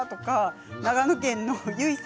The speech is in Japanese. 長野県の方